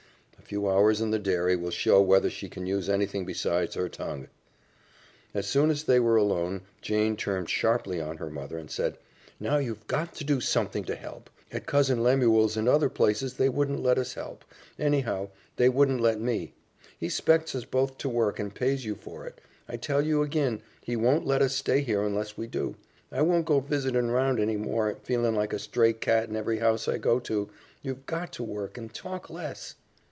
A few hours in the dairy will show whether she can use anything besides her tongue." As soon as they were alone Jane turned sharply on her mother and said, "Now you've got to do something to help. At Cousin Lemuel's and other places they wouldn't let us help. Anyhow, they wouldn't let me. He 'spects us both to work, and pays you for it. I tell you agin, he won't let us stay here unless we do. I won't go visitin' round any more, feelin' like a stray cat in every house I go to. You've got to work, and talk less."